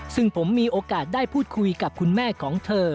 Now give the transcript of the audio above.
ซึ่งผมมีโอกาสได้พูดคุยกับคุณแม่ของเธอ